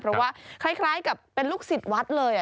เพราะว่าคล้ายกับเป็นลูกศิษย์วัดเลย